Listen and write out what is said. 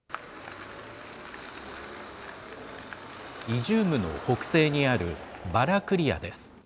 イジュームの北西にあるバラクリヤです。